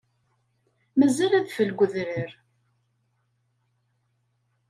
Mazal adfel deg udrar.